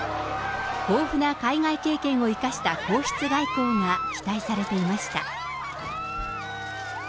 豊富な海外経験を生かした皇室外交が期待されていました。